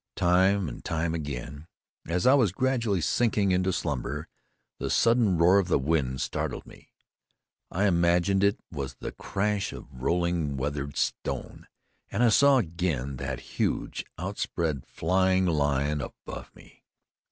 Time and time again, as I was gradually sinking into slumber, the sudden roar of the wind startled me. I imagined it was the crash of rolling, weathered stone, and I saw again that huge outspread flying lion above me.